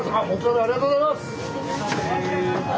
ありがとうございます。